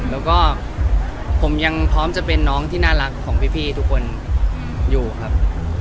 แล้วก็ผมยังพร้อมจะเป็นน้องที่น่ารักของพี่ทุกคนอยู่ครับ